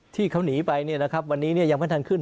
ที่เขาหนีไปเนี่ยนะครับวันนี้เนี่ยยังไม่ทันขึ้น